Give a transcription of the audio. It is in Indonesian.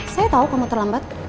saya tau kamu terlambat